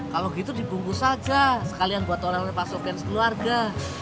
kalau gitu dibungkus aja sekalian buat orang yang pasokin sekeluarga